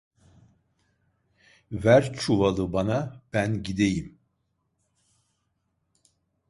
Ver çuvalı bana, ben gideyim!